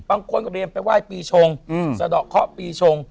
บางคนก็เรียนไปไหว้ปีชงสะดอกเคาะปีชง